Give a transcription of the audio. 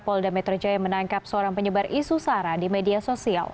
polda metro jaya menangkap seorang penyebar isu sara di media sosial